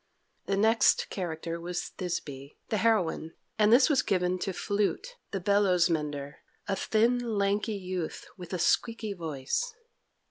The next character was Thisby, the heroine, and this was given to Flute, the bellows mender, a thin, lanky youth with a squeaky voice.